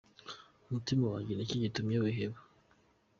Mutima wanjye ni iki gitumye wiheba?